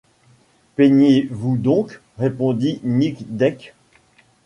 Plaignez-vous donc! répondit Nic Deck.